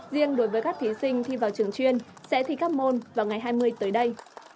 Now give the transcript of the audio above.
riêng đối với các thí sinh thi vào trường chuyên sẽ thi các môn vào ngày hai mươi tới đây